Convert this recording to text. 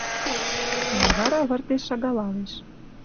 Варвара выртеш шагалалеш